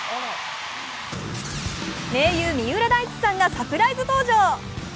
盟友・三浦大知さんがサプライズ登場。